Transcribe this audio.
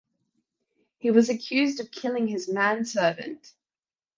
He was accused of killing his manservant.